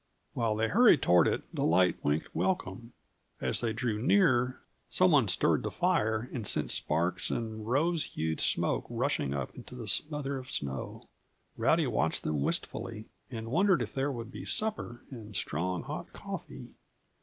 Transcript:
While they hurried toward it, the light winked welcome; as they drew near, some one stirred the fire and sent sparks and rose hued smoke rushing up into the smother of snow. Rowdy watched them wistfully, and wondered if there would be supper, and strong, hot coffee.